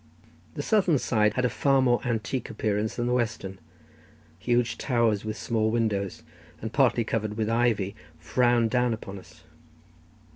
The southern side had a far more antique appearance than the western; huge towers, with small windows, and partly covered with ivy, frowned down upon us.